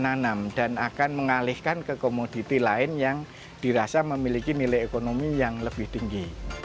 menanam dan akan mengalihkan ke komoditi lain yang dirasa memiliki nilai ekonomi yang lebih tinggi